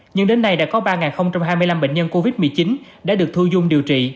nhưng đến nay đã có ba hai mươi năm bệnh nhân covid một mươi chín đã được thu dung điều trị